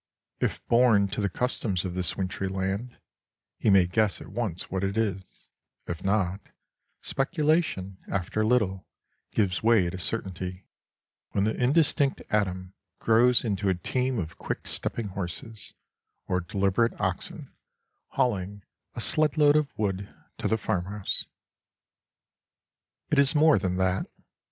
If born to the customs of this wintry land, he may guess at once what it is; if not, speculation, after a little, gives way to certainty, when the indistinct atom grows into a team of quick stepping horses or deliberate oxen hauling a sled load of wood to the farmhouse. It is more than that.